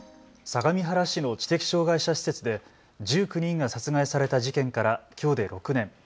相模原市の知的障害者施設で１９人が殺害された事件からきょうで６年。